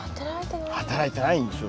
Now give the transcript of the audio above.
働いてないんですよ。